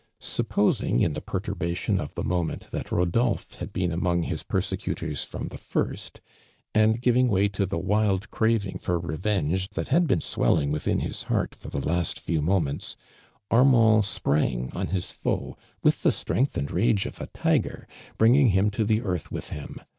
Suppo iing in the porturhation of the mo ment that Uodoi|)h(t hud heeii among his peisccutors fmm tlio lirst, and giving way to I lie wild craving for revenge that had hecn >\vclling within his heart for the last few iiKiments, Armand sj)rang on his foe, with I lie strength and rage of a tiger, l)ringing liim to the earth with him.